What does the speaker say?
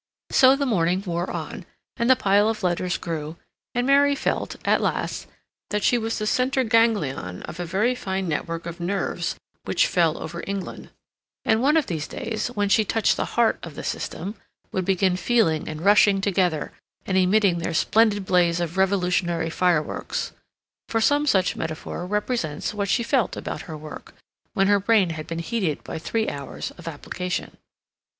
So the morning wore on, and the pile of letters grew, and Mary felt, at last, that she was the center ganglion of a very fine network of nerves which fell over England, and one of these days, when she touched the heart of the system, would begin feeling and rushing together and emitting their splendid blaze of revolutionary fireworks—for some such metaphor represents what she felt about her work, when her brain had been heated by three hours of application.